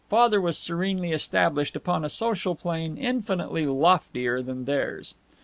Father was serenely established upon a social plane infinitely loftier than theirs.